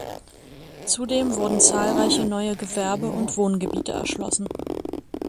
Zudem wurden zahlreiche neue Gewerbe- und Wohngebiete erschlossen.